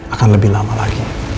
akan lebih lama lagi